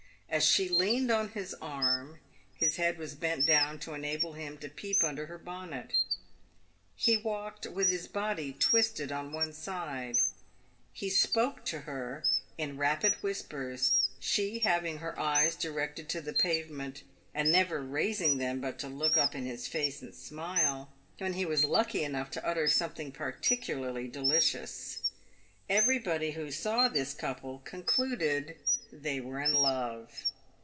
As she leaned on his arm, his head was bent down to enable him to peep under her bonnet. He walked with his body twisted on one side. He spoke to her in rapid whispers, she having her eyes directed to the pavement, PAVED WITH GOLD. 325 and never raising them but to look up in his face and smile, when he was lucky enough to utter something particularly delicious. Every body who saw this couple concluded they were in love.